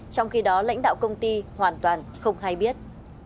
trong khi đó lãnh đạo công ty hoàn toàn không hay biết